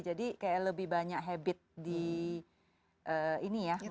jadi kayak lebih banyak habit di ini ya